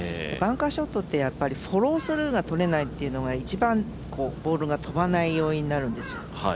バンカーショットってフォロースルーが取れないっていうのが、一番、ボールが飛ばない要因になるんですよ。